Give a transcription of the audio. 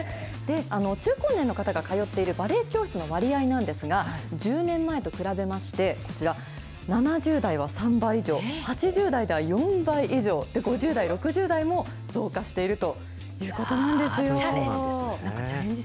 中高年の方が通っているバレエ教室の割合なんですが、１０年前と比べましてこちら、７０代は３倍以上、８０代では４倍以上、５０代、６０代も増加しているというなんかチャレンジ